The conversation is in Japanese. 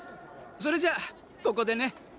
それじゃここでね。